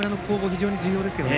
非常に重要ですよね。